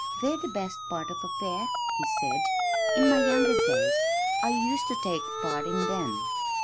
"They're the best part of a fair," he said. "In my younger days I used to take part in them."